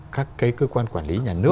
các cái cơ quan quản lý nhà nước